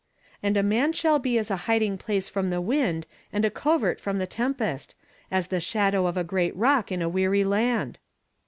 'And a man shall l)e as a hiding place from the wind and a covert from the tempest; — as the shadow of a great rock in a w(>ary land.'"